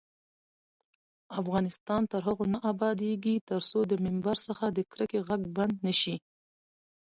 افغانستان تر هغو نه ابادیږي، ترڅو د ممبر څخه د کرکې غږ بند نشي.